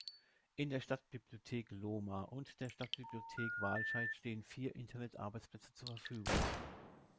In der Stadtbibliothek Lohmar und der Stadtbibliothek Wahlscheid stehen vier Internet-Arbeitsplätze zur Verfügung.